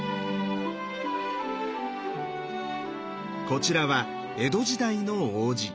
こちらは江戸時代の王子。